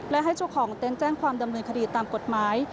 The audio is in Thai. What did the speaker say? และให้เจ้าของเต็นต์แจ้งความดำเนินคดีตามกฎหมาย